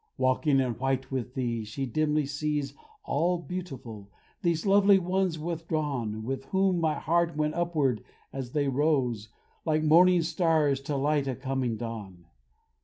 Walking in white with thee, she dimly sees, All beautiful, these lovely ones withdrawn, With whom my heart went upward, as they rose, Like morning stars, to light a coming dawn.